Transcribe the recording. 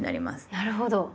なるほど。